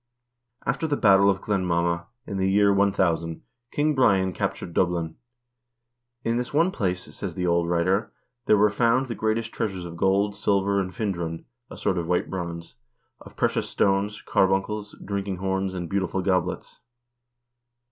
After the battle of Glenmama, in the year 1000, King Brian cap tured Dublin. "In this one place," says the old writer, "there were found the greatest treasures of gold, silver, and findrun (a sort of white bronze), of precious stones, carbuncles, drinking horns, and beautiful goblets."